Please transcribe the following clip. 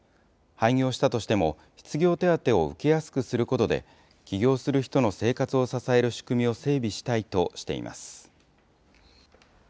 廃業したとしても、失業手当を受けやすくすることで、起業する人の生活を支える仕組みを整備したいとしています。